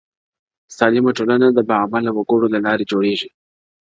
سالمه ټولنه د باعلمه وګړو له لارې جوړېږي.